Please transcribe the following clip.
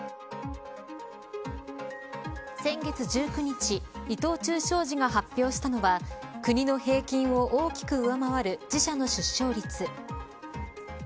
先月１９日伊藤忠商事が発表したのは国の平均を大きく上回る自社の出生率。